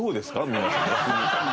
皆さん逆に。